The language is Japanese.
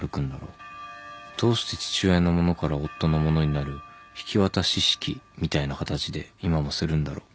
どうして父親のものから夫のものになる引き渡し式みたいな形で今もするんだろう。